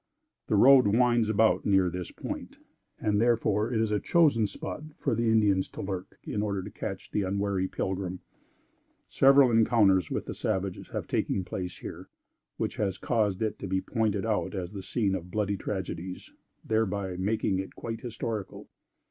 The road winds about near this point, and therefore it is a chosen spot for the Indians to lurk, in order to catch the unwary pilgrim. Several encounters with the savages have taken place here, which has caused it to be pointed out as the scene of bloody tragedies, thereby making it quite historical.